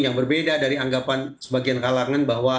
yang berbeda dari anggapan sebagian kalangan bahwa